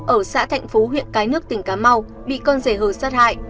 ở xã thạnh phú huyện cái nước tỉnh cà mau bị con rể hờ sát hại